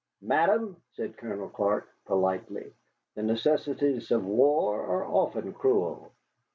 "Madame," said Colonel Clark, politely, "the necessities of war are often cruel."